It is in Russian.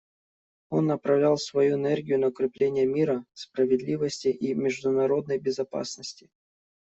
Он направлял свою энергию на укрепление мира, справедливости и международной безопасности.